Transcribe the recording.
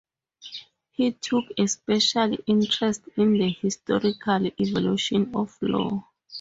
He took a special interest in the historical evolution of law.